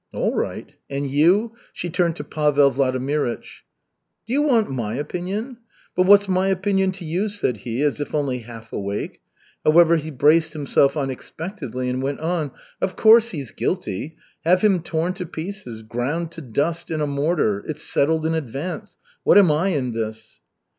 "All right. And you?" she turned to Pavel Vladimirych. "Do you want my opinion? But what's my opinion to you?" said he, as if only half awake. However, he braced himself unexpectedly and went on: "Of course, he's guilty. Have him torn to pieces ground to dust in a mortar it's settled in advance. What am I in this?"